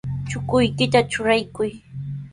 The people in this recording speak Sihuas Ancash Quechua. Chukuykita trurakuy.